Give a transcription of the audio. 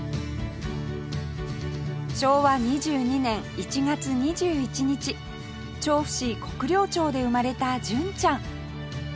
昭和２２年１月２１日調布市国領町で生まれた純ちゃん